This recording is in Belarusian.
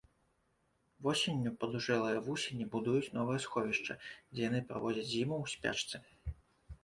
Восенню падужэлыя вусені будуюць новае сховішча, дзе яны праводзяць зіму ў спячцы.